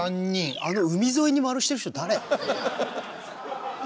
あの海沿いに丸してる人、誰？